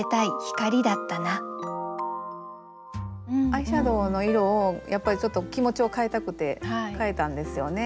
アイシャドーの色をやっぱりちょっと気持ちを変えたくてかえたんですよね。